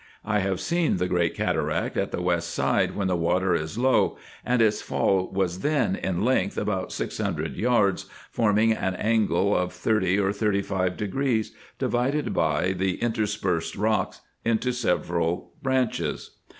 I have seen the great cataract on the west side when the water is low ; and its fall was then, in length, about six hundred yards, forming an angle of thirty or thirty five degrees, divided by the interspersed rocks into various branches.